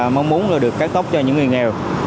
mong muốn được cắt tóc cho những người nghèo